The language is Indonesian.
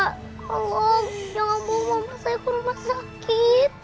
tolong jangan bawa mama saya ke rumah sakit